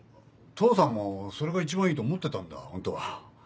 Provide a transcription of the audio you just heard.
父さんもそれが一番いいと思ってたんだホントは。